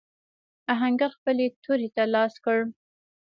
آهنګر خپلې تورې ته لاس کړ.